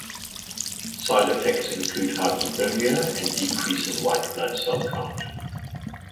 Side effects include hyperthermia and decrease in white blood cell count.